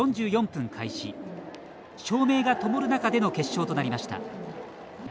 照明がともる中での決勝となりました。